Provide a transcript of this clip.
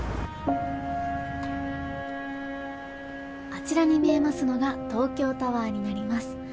あちらに見えますのが東京タワーになります。